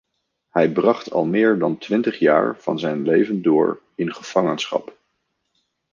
Hij bracht al meer dan twintig jaar van zijn leven door in gevangenschap.